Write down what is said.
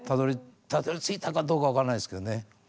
たどりついたかどうか分からないですけどね。